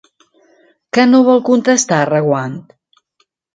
Què no vol contestar Reguant?